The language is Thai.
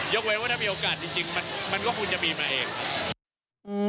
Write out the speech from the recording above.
ไว้ว่าถ้ามีโอกาสจริงมันก็ควรจะมีมาเองครับ